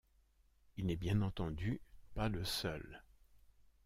Il n'est, bien entendu, pas le seul.